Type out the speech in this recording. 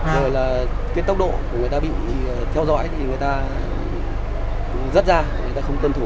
rồi là cái tốc độ của người ta bị theo dõi thì người ta rất ra người ta không tuân thủ